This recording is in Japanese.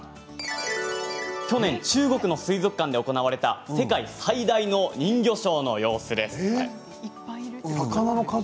去年、中国の水族館で行われた世界最大の人魚ショーの様子です。